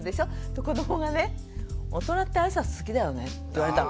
子どもがね「大人ってあいさつ好きだよね」って言われたの。